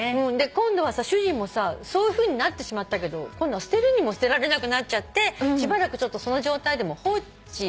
今度は主人もさそういうふうになってしまったけど今度は捨てるにも捨てられなくなっちゃってしばらくその状態で放置。